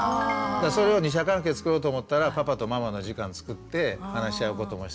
それを二者関係を作ろうと思ったらパパとママの時間つくって話し合うことも必要だし。